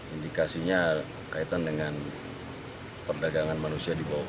indikasinya kaitan dengan perdagangan manusia